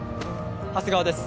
長谷川です